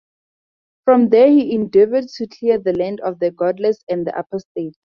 From there he endeavored to clear the land of "the godless and the apostate".